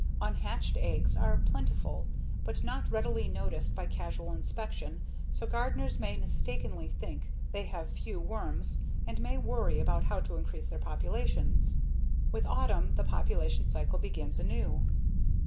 Unhatched eggs are plentiful but not readily noticed by casual inspection so gardeners may mistakenly think they have few worms and may worry about how to increase their populations. With autumn the population cycle begins anew.